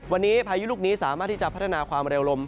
วันนี้พายุลูกนี้สามารถที่จะพัฒนาความเร็วลม